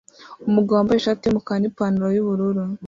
Umugabo wambaye ishati yumukara nipantaro yubururu